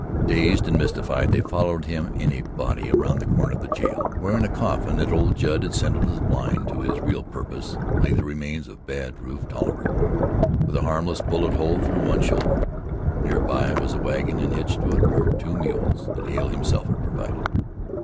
Dazed and mystified, they followed him in a body around the corner of the jail, where in a coffin, that old Jadd had sent as a blind to his real purpose, lay the remains of Bad Rufe Tolliver with a harmless bullet hole through one shoulder. Near by was a wagon and hitched to it were two mules that Hale himself had provided.